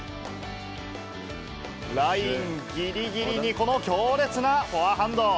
ラインぎりぎりにこの強烈なフォアハンド。